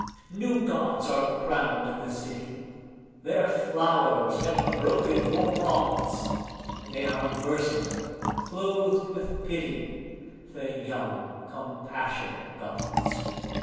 New Gods are crowned in the city; their flowers have broken your rods; They are merciful, clothed with pity, the young compassionate Gods.